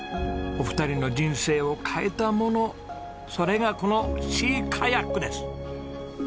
お二人の人生を変えたものそれがこのシーカヤックです。